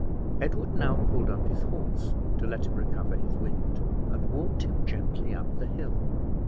Edward now pulled up his horse to let him recover his wind, and walked him gently up the hill.